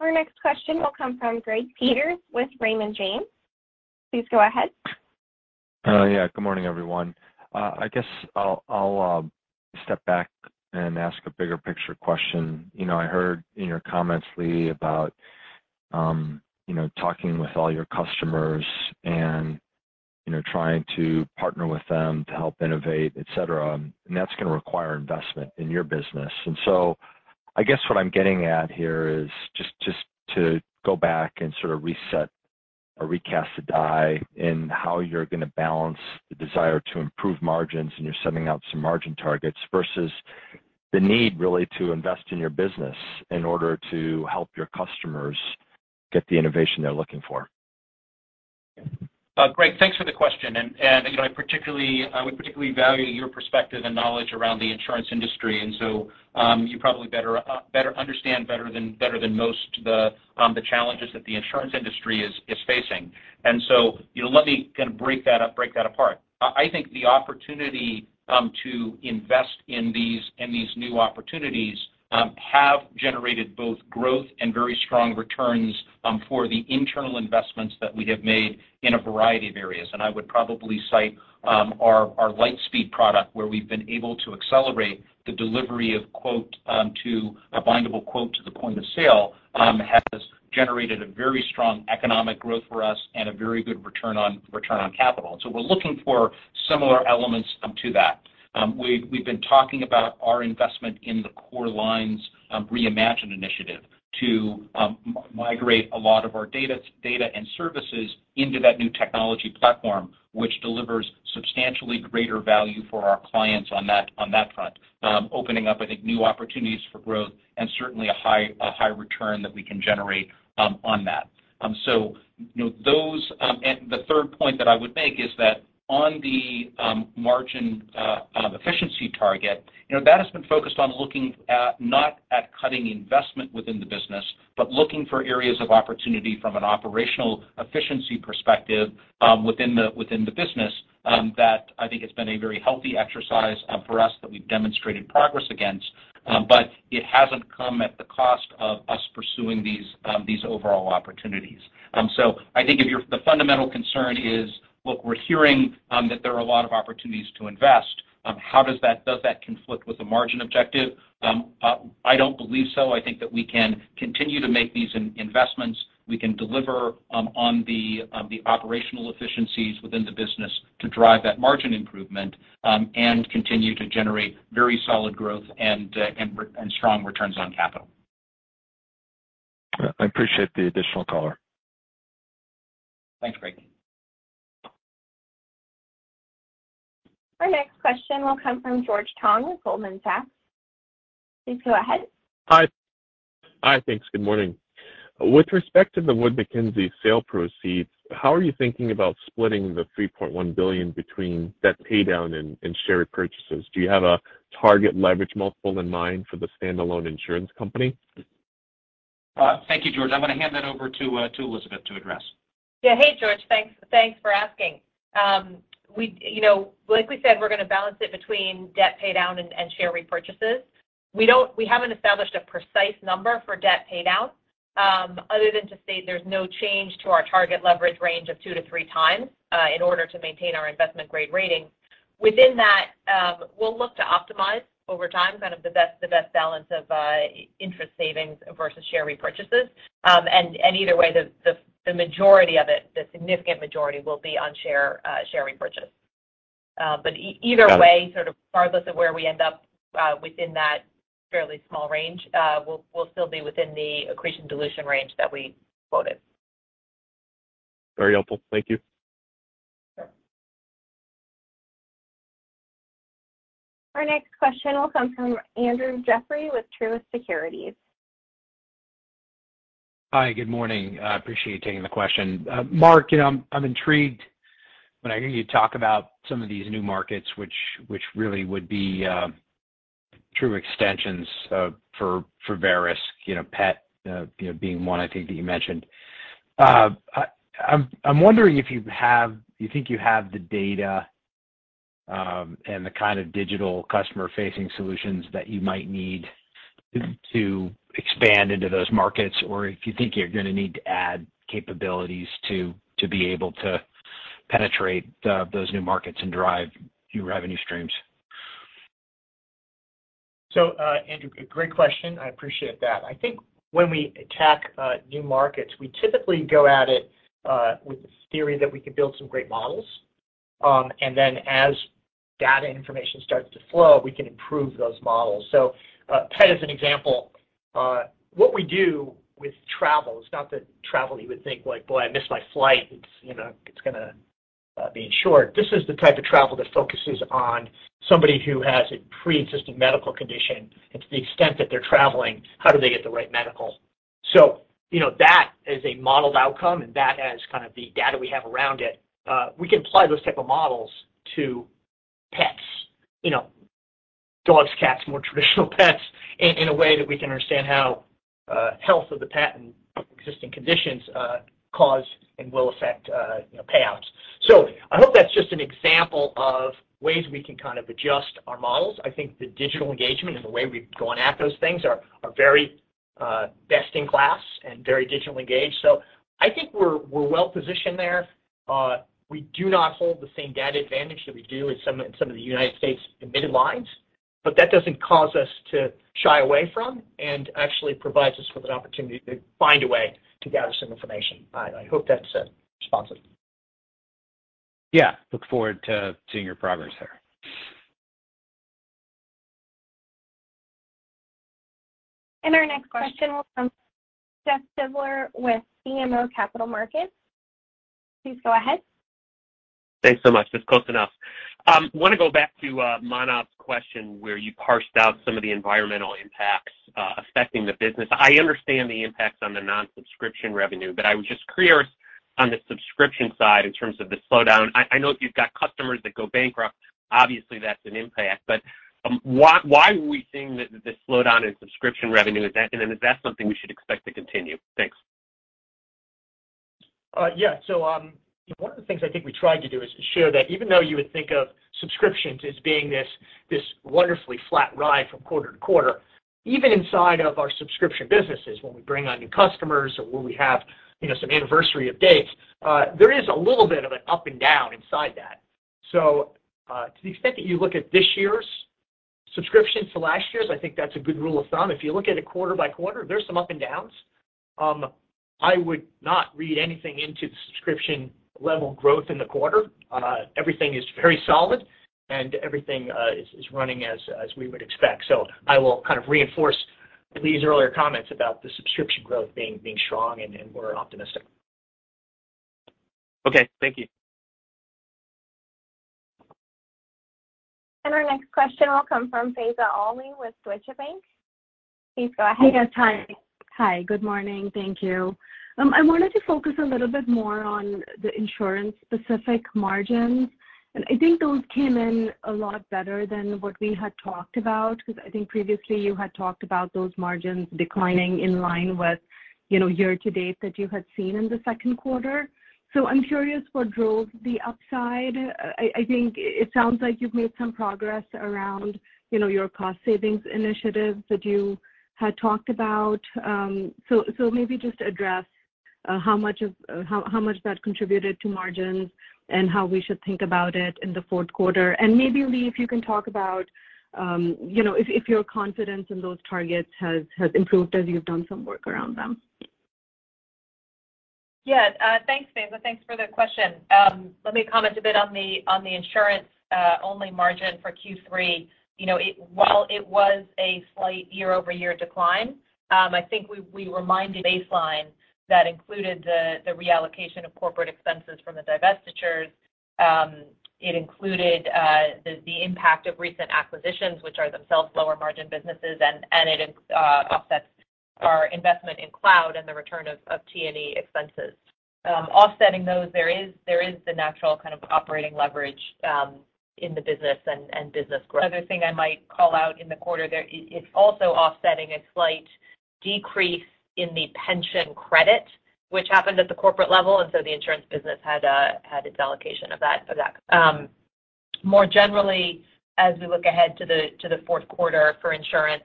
Our next question will come from Greg Peters with Raymond James. Please go ahead. Good morning, everyone. I guess I'll step back and ask a bigger picture question. I heard in your comments, Lee, about you know, talking with all your customers and, you know, trying to partner with them to help innovate, et cetera, and that's gonna require investment in your business. I guess what I'm getting at here is just to go back and sort of reset or recast the die in how you're gonna balance the desire to improve margins, and you're setting out some margin targets versus the need really to invest in your business in order to help your customers get the innovation they're looking for. Greg, thanks for the question. I would particularly value your perspective and knowledge around the insurance industry. You probably understand better than most the challenges that the insurance industry is facing. Let me kind of break that apart. I think the opportunity to invest in these new opportunities have generated both growth and very strong returns for the internal investments that we have made in a variety of areas. I would probably cite our LightSpeed product, where we've been able to accelerate the delivery of quote to a bindable quote to the point of sale has generated a very strong economic growth for us and a very good return on capital. We're looking for similar elements to that. We've been talking about our investment in the Core Lines Reimagine initiative to migrate a lot of our data and services into that new technology platform, which delivers substantially greater value for our clients on that front. Opening up new opportunities for growth and certainly a high return that we can generate on that. Those and the third point that I would make is that on the margin efficiency target, you know, that has been focused on looking at not cutting investment within the business, but looking for areas of opportunity from an operational efficiency perspective, within the business, that I think has been a very healthy exercise for us that we've demonstrated progress against. It hasn't come at the cost of us pursuing these overall opportunities. I think if the fundamental concern is, look, we're hearing that there are a lot of opportunities to invest, how does that conflict with the margin objective. I don't believe so. I think that we can continue to make these investments. We can deliver on the operational efficiencies within the business to drive that margin improvement and continue to generate very solid growth and strong returns on capital. I appreciate the additional color. Thanks, Greg. Our next question will come from George Tong with Goldman Sachs. Please go ahead. Hi. Thanks. Good morning. With respect to the Wood Mackenzie sale proceeds, how are you thinking about splitting the $3.1 billion between debt paydown and share repurchases? Do you have a target leverage multiple in mind for the standalone insurance company? Thank you, George. I'm gonna hand that over to Elizabeth to address. George. Thanks for asking. Like we said, we're gonna balance it between debt paydown and share repurchases. We haven't established a precise number for debt paydown, other than to state there's no change to our target leverage range of 2-3 times, in order to maintain our investment-grade rating. Within that, we'll look to optimize over time kind of the best balance of interest savings versus share repurchases. Either way, the majority of it, the significant majority will be on share repurchase. Either way. Got it. Sort of regardless of where we end up within that fairly small range, we'll still be within the accretion dilution range that we quoted. Very helpful. Thank you. Our next question will come from Andrew Jeffrey with Truist Securities. Hi, good morning. I appreciate you taking the question. Mark, you know, I'm intrigued when I hear you talk about some of these new markets which really would be true extensions for Verisk, you know, pet being one I think that you mentioned. I'm wondering if you think you have the data and the kind of digital customer-facing solutions that you might need to expand into those markets, or if you think you're gonna need to add capabilities to be able to penetrate those new markets and drive new revenue streams. Andrew, great question. I appreciate that. I think when we attack new markets, we typically go at it with this theory that we can build some great models. As data information starts to flow, we can improve those models. Pet as an example, what we do with travel, it's not the travel you would think like, "Boy, I missed my flight. It's, you know, it's gonna be insured." This is the type of travel that focuses on somebody who has a preexisting medical condition, and to the extent that they're traveling, how do they get the right medical? You know, that is a modeled outcome, and that has kind of the data we have around it. We can apply those type of models to pets, you know, dogs, cats, more traditional pets, in a way that we can understand how health of the pet and existing conditions can and will affect, you know, payouts. I hope that's just an example of ways we can kind of adjust our models. I think the digital engagement and the way we've gone at those things are very best in class and very digitally engaged. I think we're well positioned there. We do not hold the same data advantage that we do in some of the United States admitted lines, but that doesn't cause us to shy away from and actually provides us with an opportunity to find a way to gather some information. I hope that's responsive. Look forward to seeing your progress there. Our next question will come from Jeffrey Silber with BMO Capital Markets. Please go ahead. Thanks so much. Just close enough. Wanna go back to Manav's question where you parsed out some of the environmental impacts affecting the business. I understand the impacts on the non-subscription revenue, but I was just curious on the subscription side in terms of the slowdown. I know you've got customers that go bankrupt, obviously that's an impact. But why are we seeing the slowdown in subscription revenue? Is that and then is that something we should expect to continue? Thanks. One of the things I think we tried to do is show that even though you would think of subscriptions as being this wonderfully flat ride from quarter to quarter, even inside of our subscription businesses, when we bring on new customers or when we have, you know, some anniversary of dates, there is a little bit of an up and down inside that. To the extent that you look at this year's subscriptions to last year's, I think that's a good rule of thumb. If you look at it quarter by quarter, there's some up and downs. I would not read anything into the subscription level growth in the quarter. Everything is very solid, and everything is running as we would expect. I will kind of reinforce Lee's earlier comments about the subscription growth being strong, and we're optimistic. Okay. Thank you. Our next question will come from Faiza Alwy with Deutsche Bank. Please go ahead. Good morning. Thank you. I wanted to focus a little bit more on the insurance-specific margins. I think those came in a lot better than what we had talked about, 'cause I think previously you had talked about those margins declining in line with, you know, year to date that you had seen in the Q2. I'm curious what drove the upside. I think it sounds like you've made some progress around, you know, your cost savings initiatives that you had talked about. Maybe just address how much that contributed to margins and how we should think about it in the Q4. Maybe, Lee Shavel, if you can talk about, you know, if your confidence in those targets has improved as you've done some work around them. Thanks, Faiza. Thanks for the question. Let me comment a bit on the insurance-only margin for Q3. You know, while it was a slight year-over-year decline, I think we were meeting baseline that included the reallocation of corporate expenses from the divestitures. It included the impact of recent acquisitions, which are themselves lower margin businesses, and it offsets our investment in cloud and the return of T&E expenses. Offsetting those, there is the natural kind of operating leverage in the business and business growth. Other thing I might call out in the quarter there, it's also offsetting a slight decrease in the pension credit which happened at the corporate level, and so the insurance business had its allocation of that for that. More generally, as we look ahead to the Q4 for insurance.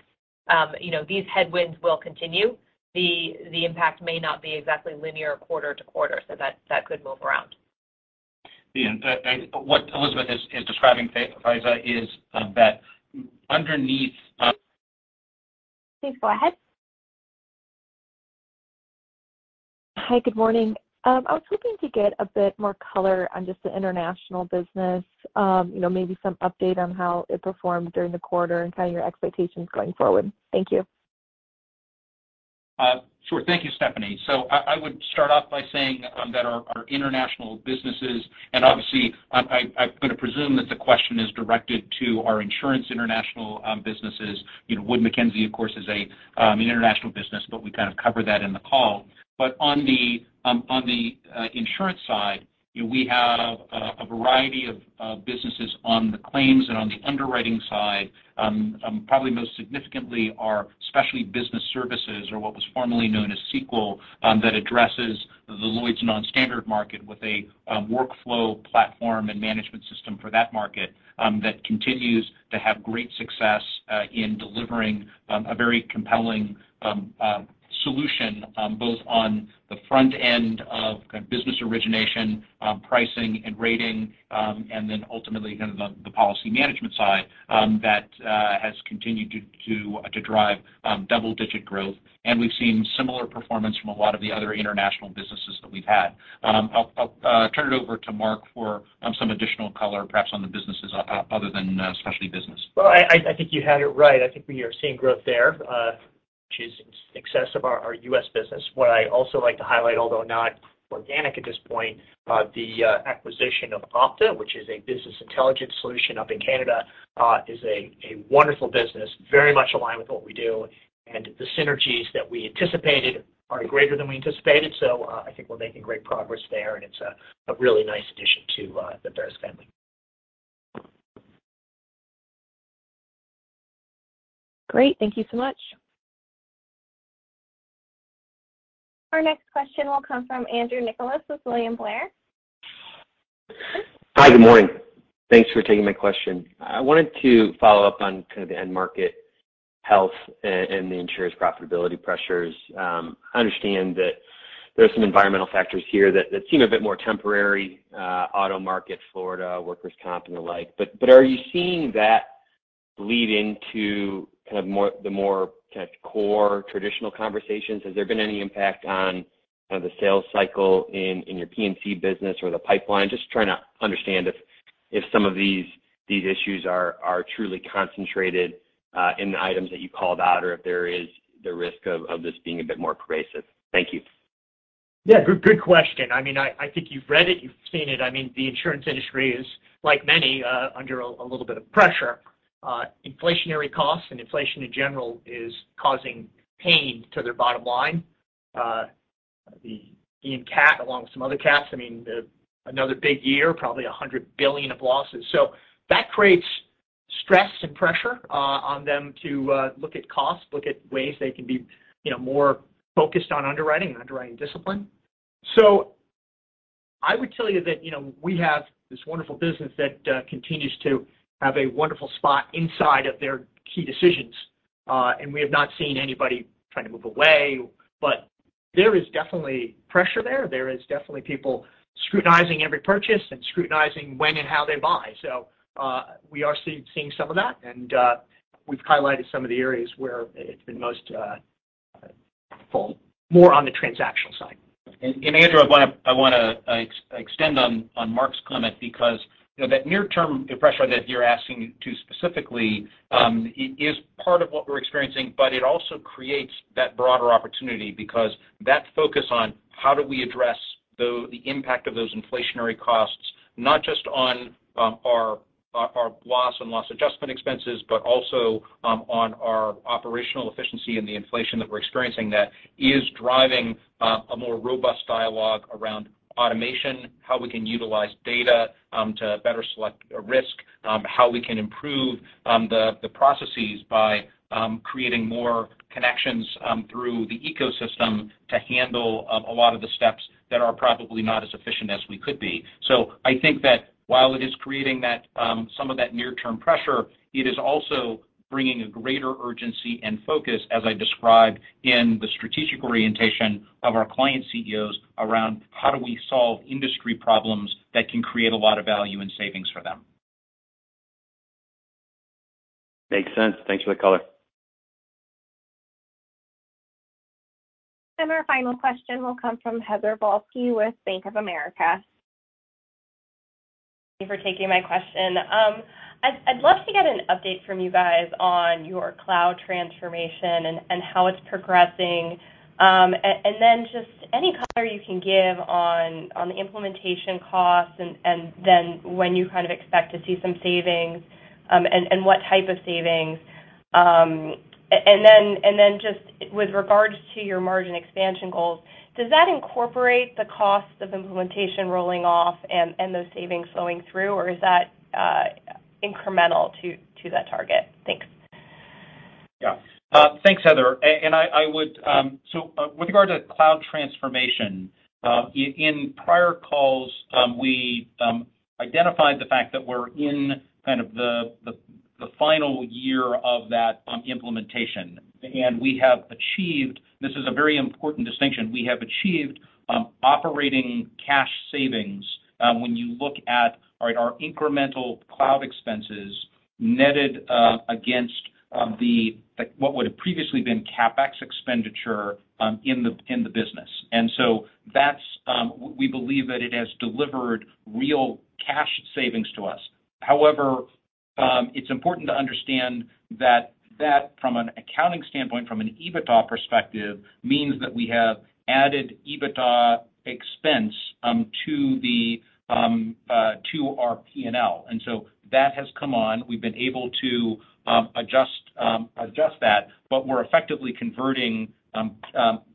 You know, these headwinds will continue. The impact may not be exactly linear quarter-to-quarter, so that could move around. What Elizabeth is describing, Faiza, is that underneath Please go ahead. Hi, good morning. I was looking to get a bit more color on just the international business. You know, maybe some update on how it performed during the quarter and kind of your expectations going forward. Thank you. Thank you, Stephanie. I would start off by saying that our international businesses and obviously, I'm gonna presume that the question is directed to our insurance international businesses. Wood Mackenzie, of course, is an international business, but we kind of covered that in the call. On the insurance side, you know, we have a variety of businesses on the claims and on the underwriting side. Probably most significantly are specialty business services or what was formerly known as Sequel, that addresses the Lloyd's non-standard market with a workflow platform and management system for that market, that continues to have great success in delivering a very compelling solution both on the front end of kind of business origination, pricing and rating, and then ultimately kind of the policy management side, that has continued to drive double-digit growth. We've seen similar performance from a lot of the other international businesses that we've had. I'll turn it over to Mark for some additional color perhaps on the businesses other than specialty business. Well, I think you had it right. I think we are seeing growth there, which is in excess of our U.S. business. What I also like to highlight, although not organic at this point, the acquisition of Opta, which is a business intelligence solution up in Canada, is a wonderful business, very much aligned with what we do, and the synergies that we anticipated are greater than we anticipated. I think we're making great progress there, and it's a really nice addition to the Verisk family. Great. Thank you so much. Our next question will come from Andrew Nicholas with William Blair. Hi, good morning. Thanks for taking my question. I wanted to follow up on kind of the end market health and the insurer's profitability pressures. I understand that there are some environmental factors here that seem a bit more temporary, auto market, Florida, workers' comp, and the like. Are you seeing that bleed into the more kind of core traditional conversations? Has there been any impact on the sales cycle in your P&C business or the pipeline? Just trying to understand if some of these issues are truly concentrated in the items that you called out or if there is the risk of this being a bit more pervasive. Thank you. Good question. I think you've read it, you've seen it. The insurance industry is, like many, under a little bit of pressure. Inflationary costs and inflation in general is causing pain to their bottom line. Hurricane Ian, along with some other cats, another big year, probably $100 billion of losses. That creates stress and pressure on them to look at costs, look at ways they can be, you know, more focused on underwriting and underwriting discipline. I would tell you that, you know, we have this wonderful business that continues to have a wonderful spot inside of their key decisions. We have not seen anybody trying to move away, but there is definitely pressure there. There is definitely people scrutinizing every purchase and scrutinizing when and how they buy. We are seeing some of that. We've highlighted some of the areas where it's been most felt. More on the transactional side. Andrew, I wanna extend on Mark's comment because, you know, that near-term pressure that you're asking to specifically is part of what we're experiencing, but it also creates that broader opportunity because that focus on how do we address the impact of those inflationary costs, not just on our loss and loss adjustment expenses, but also on our operational efficiency and the inflation that we're experiencing that is driving a more robust dialogue around automation, how we can utilize data to better select a risk, how we can improve the processes by creating more connections through the ecosystem to handle a lot of the steps that are probably not as efficient as we could be. I think that while it is creating that, some of that near-term pressure, it is also bringing a greater urgency and focus, as I described, in the strategic orientation of our client CEOs around how do we solve industry problems that can create a lot of value and savings for them. Makes sense. Thanks for the color. Our final question will come from Heather Balsky with Bank of America. Thank you for taking my question. I'd love to get an update from you guys on your cloud transformation and how it's progressing. Just any color you can give on the implementation costs and then when you kind of expect to see some savings, and what type of savings. Just with regards to your margin expansion goals, does that incorporate the cost of implementation rolling off and those savings flowing through, or is that incremental to that target? Thanks. Thanks, Heather. With regard to cloud transformation, in prior calls, we identified the fact that we're in kind of the final year of that implementation. We have achieved. This is a very important distinction. We have achieved operating cash savings when you look at our incremental cloud expenses netted against the like what would have previously been CapEx expenditure in the business. That's, we believe, that it has delivered real cash savings to us. However, it's important to understand that from an accounting standpoint, from an EBITDA perspective, means that we have added EBITDA expense to our P&L. That has come on. We've been able to adjust that, but we're effectively converting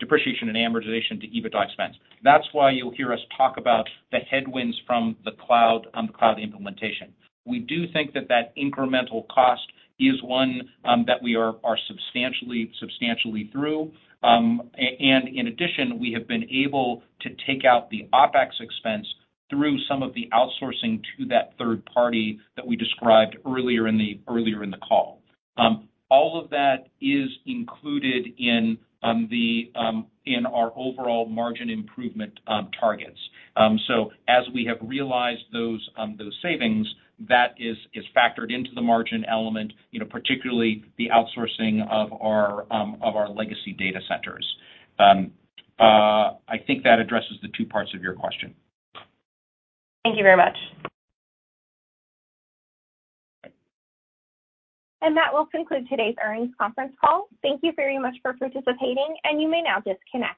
depreciation and amortization to EBITDA expense. That's why you'll hear us talk about the headwinds from the cloud, the cloud implementation. We do think that incremental cost is one that we are substantially through. In addition, we have been able to take out the OpEx expense through some of the outsourcing to that third party that we described earlier in the call. All of that is included in our overall margin improvement targets. As we have realized those savings, that is factored into the margin element, you know, particularly the outsourcing of our legacy data centers. I think that addresses the two parts of your question. Thank you very much. That will conclude today's earnings conference call. Thank you very much for participating, and you may now disconnect.